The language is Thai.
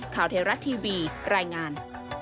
ข่าวเทรารัดทีบีรายงาน